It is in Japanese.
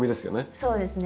そうですね。